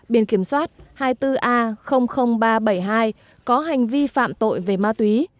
biển kiểm soát hai mươi bốn a ba trăm bảy mươi hai có hành vi phạm tội về ma túy